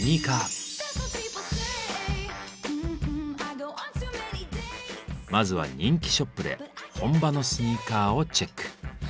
それはまずは人気ショップで本場のスニーカーをチェック。